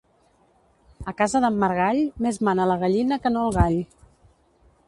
A casa d'en Margall més mana la gallina que no el gall.